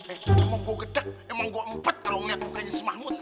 eh emang gua gedeg emang gua empet kalo ngeliat bukanya si mahmud